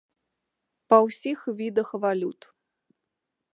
Па ўсіх відах валют.